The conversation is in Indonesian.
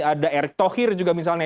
ada erick thohir juga misalnya